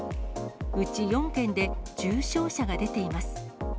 うち４件で重傷者が出ています。